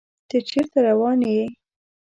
ته چیرته روان یې؟